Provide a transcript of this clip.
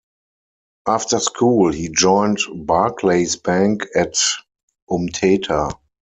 After school, he joined Barclays bank at Umtata.